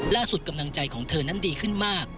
กำลังใจของเธอนั้นดีขึ้นมาก